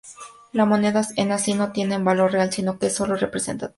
La moneda en sí no tiene un valor real, sino que es solo representativo.